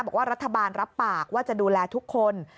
บอกว่ารัฐบาลรับปากว่าจะดูแลทุกคน